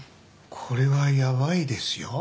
これはヤバいですよ。